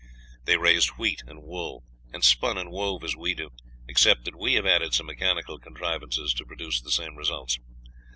They raised wheat and wool, and spun and wove as we do, except that we have added some mechanical contrivances to produce the same results.